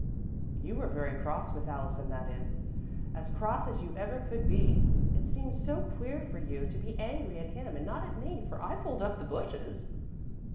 "You were very cross with Allison that is, as cross as you ever could be. It seemed so queer for you to be angry at him and not at me, for I pulled up the bushes."